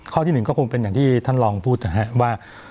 ที่๑ก็คงเป็นอย่างที่ท่านลองพูดนะครับว่า